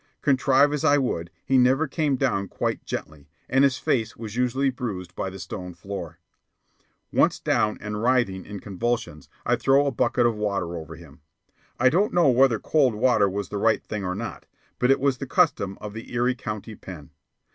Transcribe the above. Contrive as I would, he never came down quite gently, and his face was usually bruised by the stone floor. Once down and writhing in convulsions, I'd throw a bucket of water over him. I don't know whether cold water was the right thing or not, but it was the custom in the Erie County Pen.